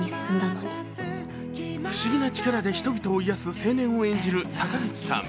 不思議な力で人々を癒やす青年を演じる坂口さん。